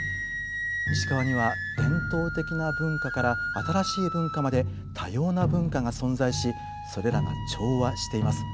石川には伝統的な文化から新しい文化まで多様な文化が存在しそれらが調和しています。